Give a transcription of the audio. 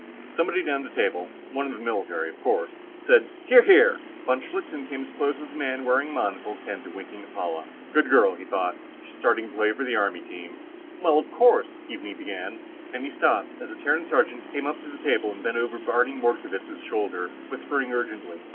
Somebody down the table one of the military, of course said, "Hear, hear!" Von Schlichten came as close as a man wearing a monocle can to winking at Paula. Good girl, he thought; she's started playing on the Army team! "Well, of course...." Keaveney began. Then he stopped, as a Terran sergeant came up to the table and bent over Barney Mordkovitz' shoulder, whispering urgently.